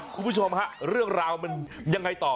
คุณผู้ชมฮะเรื่องราวมันยังไงต่อ